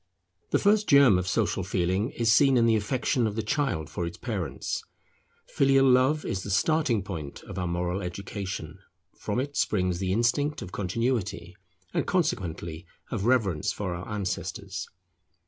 The first germ of social feeling is seen in the affection of the child for its parents. Filial love is the starting point of our moral education: from it springs the instinct of Continuity, and consequently of reverence for our ancestors.